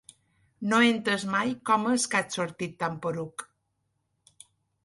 No he entès mai com és que has sortit tan poruc.